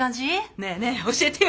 ねえねえ教えてよ。